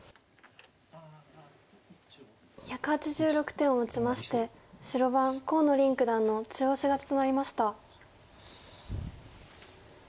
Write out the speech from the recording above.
１８６手をもちまして白番河野臨九段の中押し勝ちとなりました。